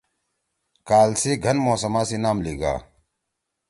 کال سی گھن موسما سی نام لیِگا